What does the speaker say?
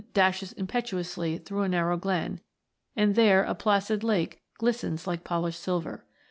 dashes impetuously through a narrow glen, and there a placid lake glistens like polished silver.